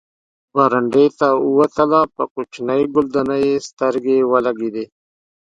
برنډې ته ووتله، په کوچنۍ ګلدانۍ یې سترګې ولګېدې.